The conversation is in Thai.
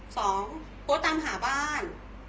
ทีนี้โพสต์ตามหาบ้าน